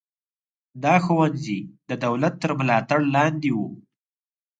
دا ښوونځي د دولت تر ملاتړ لاندې وو.